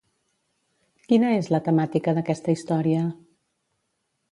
Quina és la temàtica d'aquesta història?